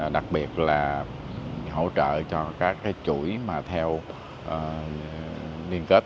đặc biệt là hỗ trợ cho các cái chuỗi mà theo liên kết